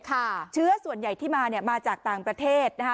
เชื้อส่วนใหญ่ที่มาเนี่ยมาจากต่างประเทศนะคะ